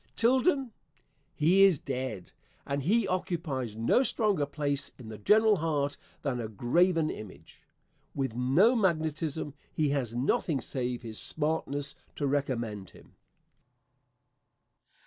Tilden? He is dead, and he occupies no stronger place in the general heart than a graven image. With no magnetism, he has nothing save his smartness to recommend him.